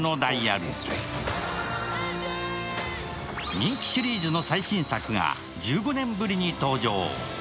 人気シリーズの最新作が１５年ぶりに登場。